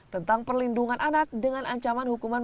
tentang perlindungan anak dengan ancaman hukuman